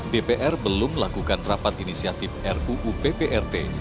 dpr belum melakukan rapat inisiatif ruu pprt